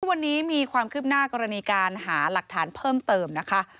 วันนี้มีความคืบหน้ากรณีการหาหลักฐานเพิ่มเติมนะคะ